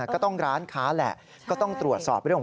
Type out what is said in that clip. ก็ต้องร้านค้าแหละก็ต้องตรวจสอบว่า